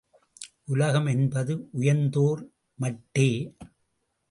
உலகம் என்பது உயர்ந்தோர் மாட்டே.